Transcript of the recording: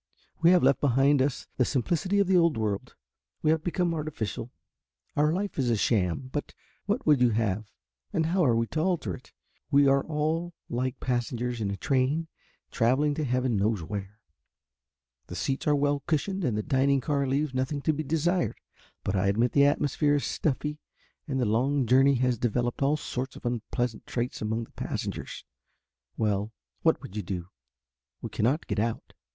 We have left behind us the simplicity of the old world, we have become artificial, our life is a sham but what would you have and how are we to alter it? We are all like passengers in a train travelling to heaven knows where; the seats are well cushioned and the dining car leaves nothing to be desired, but I admit the atmosphere is stuffy and the long journey has developed all sorts of unpleasant traits among the passengers well, what would you do? We cannot get out."